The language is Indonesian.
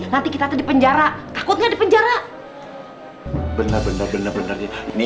nanti kita ada di penjara takutnya di penjara bener bener bener bener ini